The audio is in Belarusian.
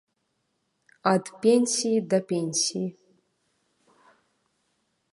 Ад пенсіі да пенсіі.